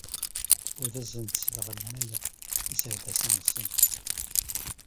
Ur asent-sleɣmayeɣ iserdasen-nsent.